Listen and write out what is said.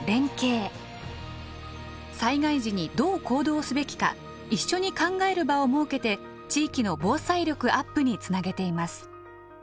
災害時にどう行動すべきか一緒に考える場を設けて地域の防災力アップにつなげています。